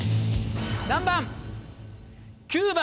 何番？